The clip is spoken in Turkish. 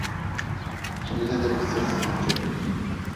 İkimize de bir sessizlik çöktü…